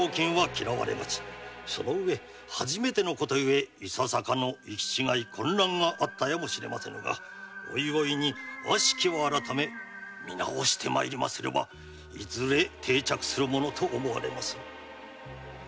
その上初めての事ゆえいささかの行き違い混乱があったやもしれませぬが悪しきは改め見直して参りますればいずれ定着するものと思われまする。